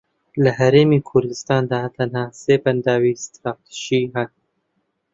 لە هەرێمی کوردستاندا تەنیا سێ بەنداوی ستراتیژی هەن